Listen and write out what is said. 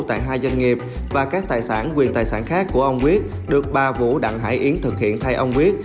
tại hai doanh nghiệp và các tài sản quyền tài sản khác của ông quyết được bà vũ đặng hải yến thực hiện thay ông quyết